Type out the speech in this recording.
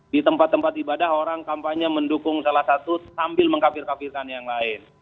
di tempat tempat ibadah orang kampanye mendukung salah satu sambil mengkafir kafirkan yang lain